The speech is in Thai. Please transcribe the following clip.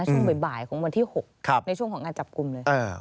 ช่วงบ่ายของวันที่๖ในช่วงของงานจับกลุ่มเลย